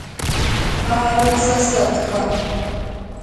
Ары, сэ сэтхэ.